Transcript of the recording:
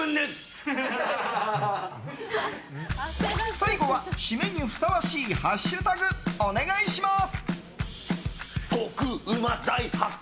最後は、締めにふさわしいハッシュタグお願いします！